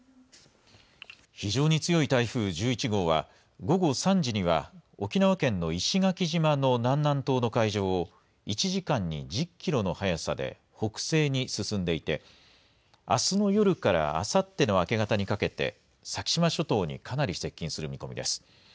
非常に強い台風１１号は、午後３時には沖縄県の石垣島の南南東の海上を、１時間に１０キロの速さで北西に進んでいて、あすの夜からあさっての明け方にかけて、先島諸島にかなり接近する見通しです。